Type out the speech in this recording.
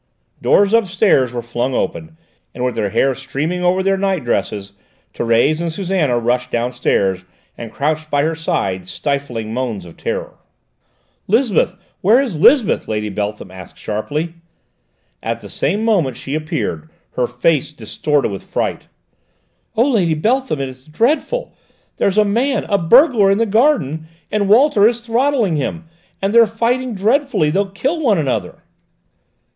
Doors upstairs were flung open, and with their hair streaming over their night dresses Thérèse and Susannah rushed downstairs and crouched down by her side, stifling moans of terror. "Lisbeth? Where is Lisbeth?" Lady Beltham asked sharply. At the same moment she appeared, her face distorted with fright. "Oh, Lady Beltham, it's dreadful! There's a man, a burglar in the garden! And Walter is throttling him! They are fighting dreadfully! They'll kill one another!"